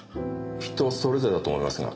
人それぞれだと思いますが。